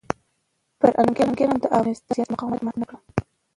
پرنګیان د افغان غازیانو مقاومت مات نه کړ.